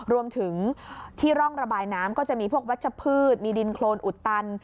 รวมถึงที่ร่องระบายน้ำก็จะมีพวกวัชพืชมีดินโครนอุดตัน